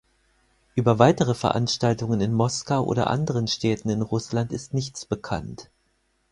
Über weitere Veranstaltungen in Moskau oder anderen Städten in Russland ist nichts bekannt.